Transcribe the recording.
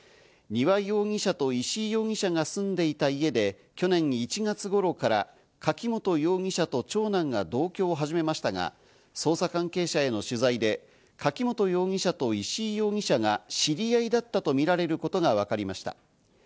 丹羽容疑者と石井容疑者が住んでいた家で去年１月頃から柿本容疑者と長男が同居を始めましたが、捜査関係者への取材で柿本容疑者と石井容疑者が知り合いだったとみられることがわかりました。